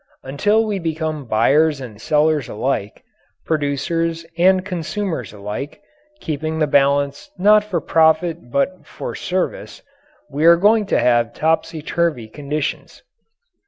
Until we become buyers and sellers alike, producers and consumers alike, keeping the balance not for profit but for service, we are going to have topsy turvy conditions.